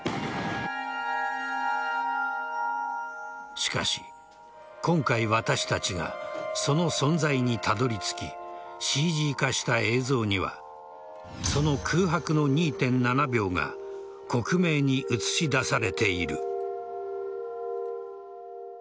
しかし、今回私たちがその存在にたどり着きＣＧ化した映像にはその空白の２．７秒が克明に映し出されている。